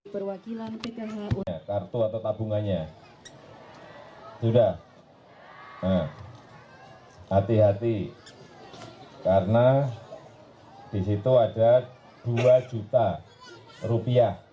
pemberian makanan tambahan di ambon adalah rp lima ratus